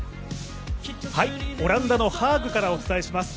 オランダのハーグからお伝えします。